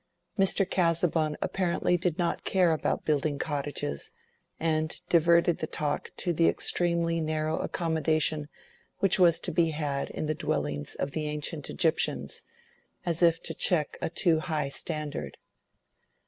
Mr. Casaubon apparently did not care about building cottages, and diverted the talk to the extremely narrow accommodation which was to be had in the dwellings of the ancient Egyptians, as if to check a too high standard.